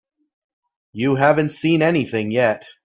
You haven't seen anything yet.